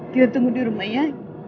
kita tunggu di rumah ya